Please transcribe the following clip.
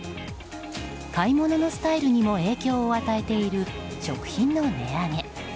買い物のスタイルにも影響を与えている食品の値上げ。